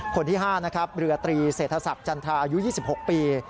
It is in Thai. คนที่๕นะครับเรือตรีเศรษฐศักดิ์จันทราอายุ๒๖ปี